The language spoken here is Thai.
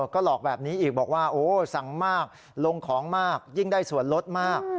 ก็หลอกแบบนี้อีกบอกว่าโอ้สั่งมากลงของมากยิ่งได้ส่วนลดมาก